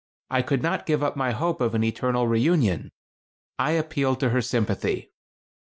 I could not give up my hope of an eternal reunion. I appealed to her sympathy.